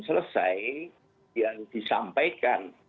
selesai yang disampaikan